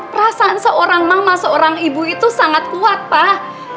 perasaan seorang mama seorang ibu itu sangat kuat pak